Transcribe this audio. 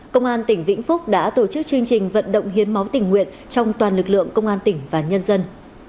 công an tỉnh vĩnh phúc đã tổ chức chương trình vận động hiến máu tỉnh nguyện trong toàn lực lượng công an tỉnh và nhân dân